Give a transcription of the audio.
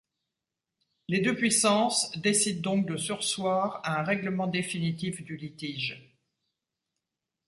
Les deux puissances décident donc de surseoir à un règlement définitif du litige.